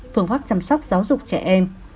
phương pháp chăm sóc giáo dục trẻ em